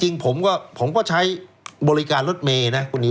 จริงผมก็ใช้บริการรถเมย์นะคุณนิว